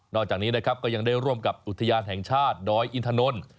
จากนี้นะครับก็ยังได้ร่วมกับอุทยานแห่งชาติดอยอินทนนท์